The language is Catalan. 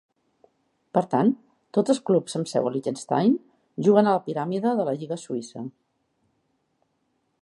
Per tant, tots els clubs amb seu a Liechtenstein juguen a la piràmide de la lliga suïssa.